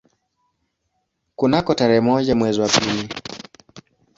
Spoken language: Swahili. Kunako tarehe moja mwezi wa pili